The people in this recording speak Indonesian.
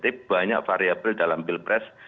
tapi banyak variabel dalam bill press